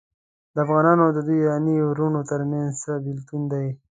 د افغانانو او د دوی ایراني وروڼو ترمنځ څه بیلتون دی.